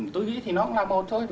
tôi nghĩ thì nó cũng là một thôi